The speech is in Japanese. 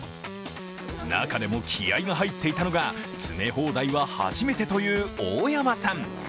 中でも気合いが入っていたのが詰め放題は初めてという大山さん。